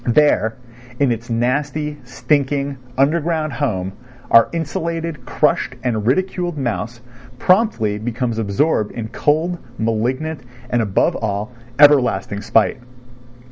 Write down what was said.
There in its nasty, stinking, underground home our insulted, crushed and ridiculed mouse promptly becomes absorbed in cold, malignant and, above all, everlasting spite.